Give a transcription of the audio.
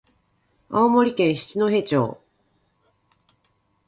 青森県七戸町